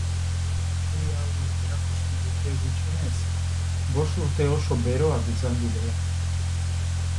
Anomalia hauek erakusten dute gutxienez bost urte oso beroak izan dira.